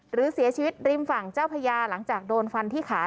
หรือเสียชีวิตริมฝั่งเจ้าพญาหลังจากโดนฟันที่ขา